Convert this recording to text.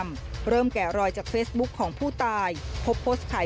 มีความรู้สึกว่า